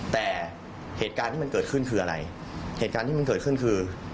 แต่เหตุการณ์ที่มันเกิดขึ้นคืออะไรเหตุการณ์ที่มันเกิดขึ้นคือ